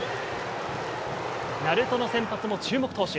鳴門の先発も注目投手。